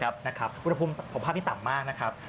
บุรุภุมภาพนี้ต่ำมากนะครับ